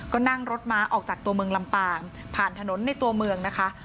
ก็นั่งรถม้าออกจากตัวเมืองลำปางผ่านถนนในตัวเมืองนะคะ